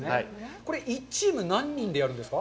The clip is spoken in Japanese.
これ、１チーム、何人でやるんですか。